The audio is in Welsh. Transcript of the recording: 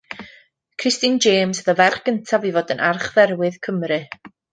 Christine James oedd y ferch gyntaf i fod yn Archdderwydd Cymru.